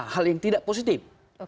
hal yang tidak positif